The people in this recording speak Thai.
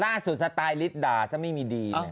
ล่าสุดสไตลิสด่าซะไม่มีดี